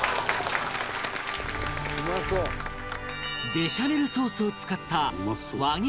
ベシャメルソースを使った和牛